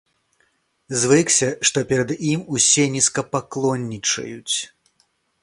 Звыкся, што перад ім усе нізкапаклоннічаюць.